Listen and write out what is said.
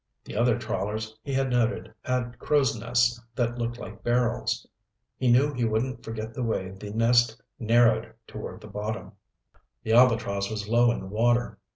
The other trawlers, he had noted, had crow's nests that looked like barrels. He knew he wouldn't forget the way the nest narrowed toward the bottom. The Albatross was low in the water.